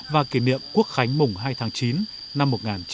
và kỷ niệm quốc khánh mùng hai tháng chín năm một nghìn chín trăm sáu mươi ba